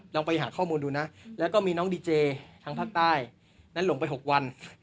ลองไปหาข้อมูลดูนะแล้วก็มีน้องดีเจทางภาคใต้นั้นหลงไป๖วัน